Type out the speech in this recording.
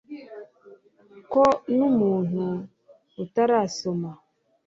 ko nu muntu utarasoma